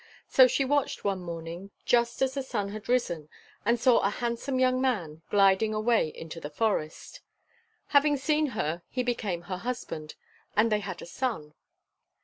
So she watched one morning, just as the sun had risen, and saw a handsome young man gliding away into the forest. Having seen her, he became her husband, and they had a son.